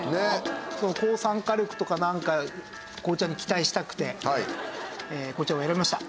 抗酸化力とかなんか紅茶に期待したくて紅茶を選びました。